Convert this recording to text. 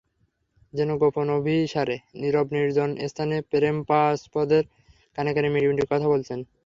যেন গোপন অভিসারে নিরব নির্জন স্থানে প্রেমাস্পদের কানে কানে মিটিমিটি কথা বলছেন।